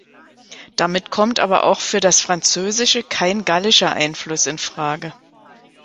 Damit kommt aber auch für das Französische kein gallischer Einfluss in Frage.